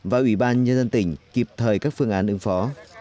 và ủy ban nhân dân tỉnh kịp thời các phương án ứng phó